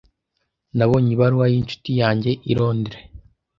Nabonye ibaruwa yincuti yanjye i Londres.